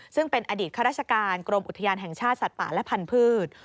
ซึ่งเป็นอดีตข้าราชการกรมอุทยานแห่งชาติสัตว์ป่าและพันธุ์